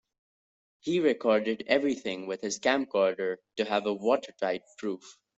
He recorded everything with his camcorder to have a watertight proof.